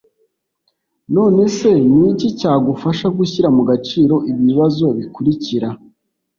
None se ni iki cyagufasha gushyira mu gaciro ibi bibazo bikurikira